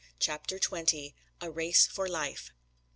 CHAPTER TWENTY. A RACE FOR LIFE.